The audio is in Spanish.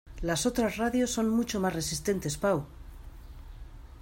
¡Las otras radios son mucho más resistentes, Pau!